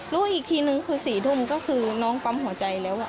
รู้อีกทีนึงคือ๔ทุ่มก็คือน้องปั๊มหัวใจแล้ว